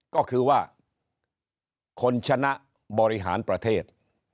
ก็คือว่าคนชนะบริหารประเทศ